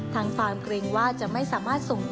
ทางฟาร์มเกรงว่าจะไม่สามารถส่งกุ้งให้ได้